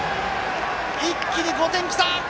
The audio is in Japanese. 一気に５点きた！